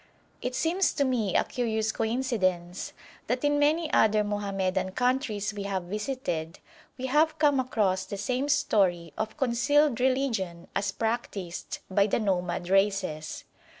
It seems to me a curious coincidence that in many other Mohammedan countries we have visited we have come across the same story of concealed religion as practised by the nomad races.